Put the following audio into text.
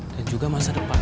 dan juga masa depan